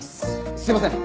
すいません！